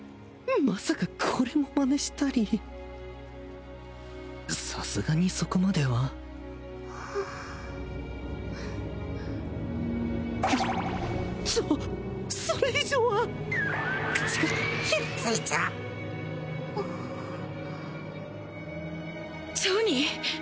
まさかこれもマネしたりさすがにそこまではちょっそれ以上は口がひっついちゃジョニー！？